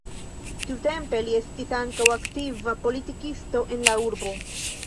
Tiutempe li estis ankaŭ aktiva politikisto en la urbo.